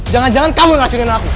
jangan jangan kamu yang ngacunin aku